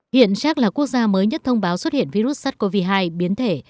hiện xác là quốc gia mới nhất thông báo xuất hiện virus sars cov hai biến thể